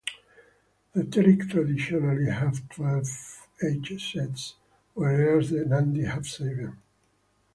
The Terik traditionally have twelve age sets, whereas the Nandi have seven.